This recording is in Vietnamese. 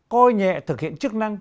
coi nhẹ thực hiện chức năng